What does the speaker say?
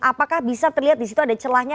apakah bisa terlihat di situ ada celahnya